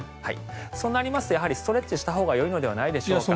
そうなりますとストレッチしたほうがいいのではないでしょうか。